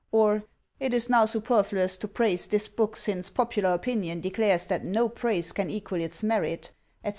or, " It is now superfluous to praise this book, since popular opinion declares that no praise can equal its merit," etc.